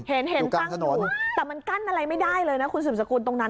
เห็นเห็นตั้งอยู่แต่มันกั้นอะไรไม่ได้เลยนะคุณสืบสกุลตรงนั้น